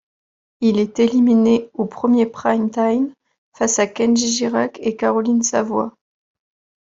Il est éliminé au premier prime time, face à Kendji Girac et Caroline Savoie.